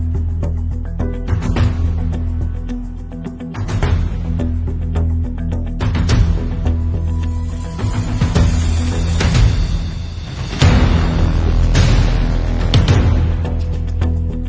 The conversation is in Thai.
สวัสดีครับ